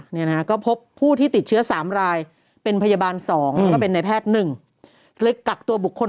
เนี่ยนะก็พบผู้ที่ติดเชื้อหรอบรายเป็นพยาบาล๒ได้แพทย์๑